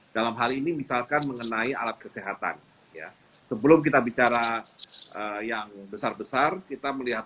dalam hal ini misalkan mengenai alat kesehatan ya sebelum kita bicara yang besar besar kita melihat